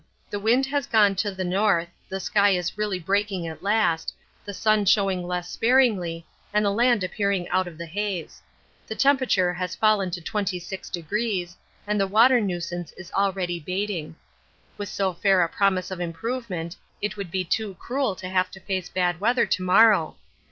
The wind has gone to the north, the sky is really breaking at last, the sun showing less sparingly, and the land appearing out of the haze. The temperature has fallen to 26°, and the water nuisance is already bating. With so fair a promise of improvement it would be too cruel to have to face bad weather to morrow.